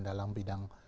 dalam bidang pendidikan